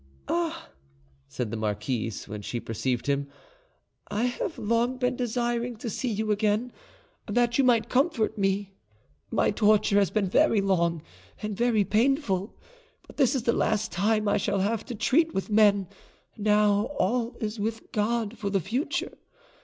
"Ah," said the marquise, when she perceived him, "I have long been desiring to see you again, that you might comfort me. My torture has been very long and very painful, but this is the last time I shall have to treat with men; now all is with God for the future.